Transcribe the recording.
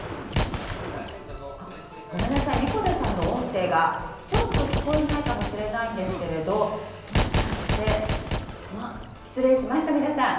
ごめんなさい、神子田さんの音声がちょっと聞こえないかもしれないんですけど、もしかして、失礼しました、皆さん。